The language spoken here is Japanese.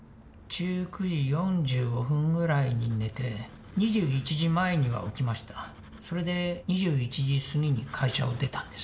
１９時４５分ぐらいに寝て２１時前には起きましたそれで２１時すぎに会社を出たんです